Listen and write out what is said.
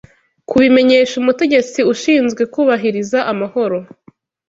kubimenyesha umutegetsi ushinzwe kubahiriza amahoro